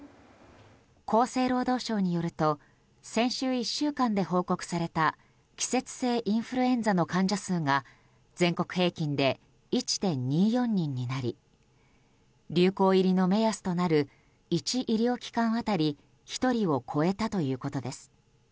厚生労働省によると先週１週間で報告された季節性インフルエンザの患者数が全国平均で１．２４人になり流行入りの目安となる１医療機関当たり１人を超えたということです。